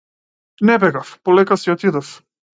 Не бегав, полека си отидов.